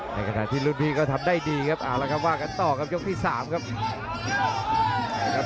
ในขณะที่รุ่นพี่ก็ทำได้ดีครับอะล๑๐๘แล้วกันต่อกันหลังจากที่๓ครับ